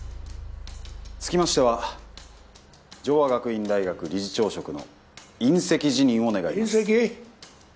つきましては城和学院大学理事長職の引責辞任を願います引責？